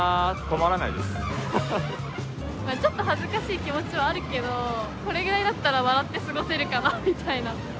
ちょっと恥ずかしい気持ちはあるけどこれぐらいだったら笑って過ごせるかなみたいな。